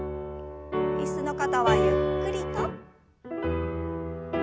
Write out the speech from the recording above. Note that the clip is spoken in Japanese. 椅子の方はゆっくりと。